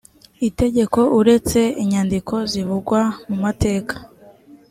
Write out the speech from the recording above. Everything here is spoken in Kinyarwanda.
itegeko uretse inyandiko zivugwa mu mateka